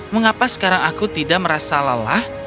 mengapa sekarang aku tidak merasa lelah